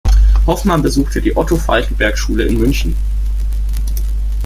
Hoffmann besuchte die Otto-Falckenberg-Schule in München.